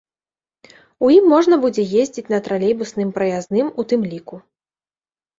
У ім можна будзе ездзіць на тралейбусным праязным у тым ліку.